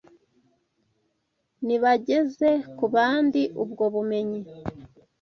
Nibageze ku bandi ubwo bumenyi